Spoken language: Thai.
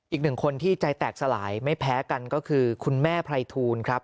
อีกหนึ่งคนที่ใจแตกสลายไม่แพ้กันก็คือคุณแม่ไพรทูลครับ